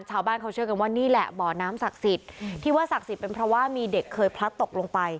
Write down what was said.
ชาวบ้านเขาเชื่อกันว่านี่แหละบ่อน้ำศักดิ์สิทธิ์ที่ว่าศักดิ์สิทธิ์เป็นเพราะว่ามีเด็กเคยพลัดตกลงไป